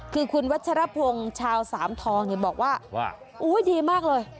คือคุณวัฒนธรรพงศ์ชาวสามทองบอกว่าดีมากเลย